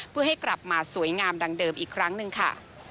เพื่อให้กลับมาสวยงามดังเดิมอีกครั้งหนึ่งค่ะ